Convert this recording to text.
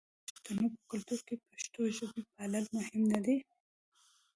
آیا د پښتنو په کلتور کې د پښتو ژبې پالل مهم نه دي؟